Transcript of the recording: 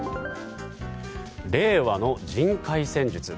令和の人海戦術。